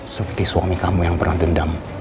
seperti suami kamu yang pernah dendam